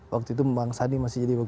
waktu itu bang sandi masih jadi